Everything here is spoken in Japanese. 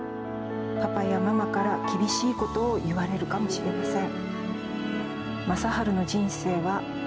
パパやママから厳しいことを言われるかもしれません。